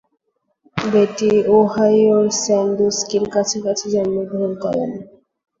বেটি ওহাইওর স্যান্ডুস্কির কাছাকাছি জন্মগ্রহণ করেন।